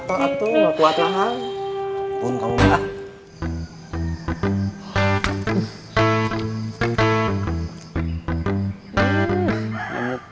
tahu aku tuh nggak kuat lahang pun kalau nggak